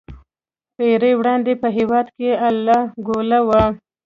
پېړۍ وړاندې په هېواد کې اله ګوله وه.